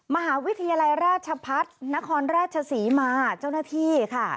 มหาวิทยาลัยราชพัฒนครราชศรีมาเจ้าหน้าที่ค่ะ